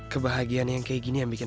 kebahagiaan yang segini yang bikin